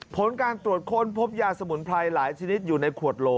ผลการตรวจค้นพบยาสมุนไพรหลายชนิดอยู่ในขวดโหล